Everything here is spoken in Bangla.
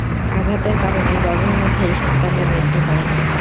আঘাতের কারণে গর্ভের মধ্যেই সন্তানের মৃত্যু হয়।